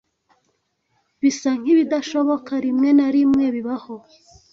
Bisa nkibidashoboka rimwe na rimwe bibaho.